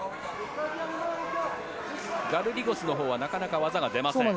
ガルリゴスのほうはなかなか技が出ません。